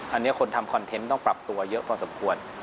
อันนี้คนทำคอนเทนต์ต้องปรับตัวเยอะพอสมควร